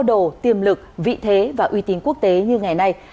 đồ tiềm lực vị thế và uy tín quốc tế như ngày nay